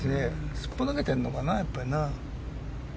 すっぽ抜けてるのかな。